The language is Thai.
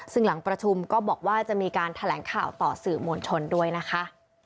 ซึ่งหลังประชุมก็บอกว่าจะมีการแถลงข่าวต่อสื่อมวลชนด้วยนะคะ